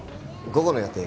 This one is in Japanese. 午後の予定